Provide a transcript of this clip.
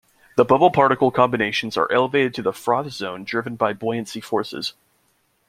The bubble-particle combinations are elevated to the froth zone driven by buoyancy forces.